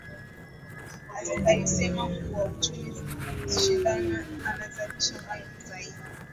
Alisema kuwa uchumi shindani unazalisha mali zaidi